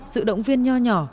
sự động viên nho nhỏ